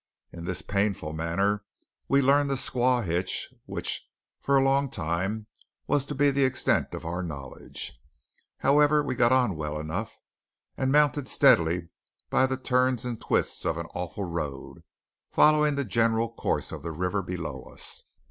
In this painful manner we learned the Squaw Hitch, which, for a long time, was to be the extent of our knowledge. However, we got on well enough, and mounted steadily by the turns and twists of an awful road, following the general course of the river below us.